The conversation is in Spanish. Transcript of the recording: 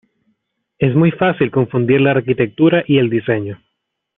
Es muy fácil confundir la arquitectura y el diseño.